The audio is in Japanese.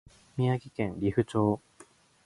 宮城県利府町